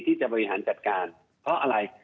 ที่จะบริหารจัดการเพราะอะไร